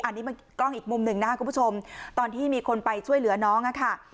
อันนี้มันกล้องอีกมุมหนึ่งนะครับคุณผู้ชมตอนที่มีคนไปช่วยเหลือน้องค่ะ